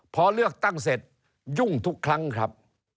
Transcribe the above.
พอเลือกตั้งเสร็จยุ่งทุกครั้งครับ